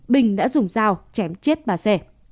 bình đã dùng dao chém chết bà c